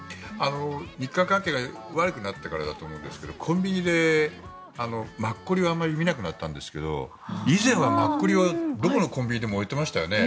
日韓関係が悪くなってからだと思うんですがコンビニでマッコリをあまり見なくなったんですけど以前はマッコリはどこのコンビニでも置いてましたよね。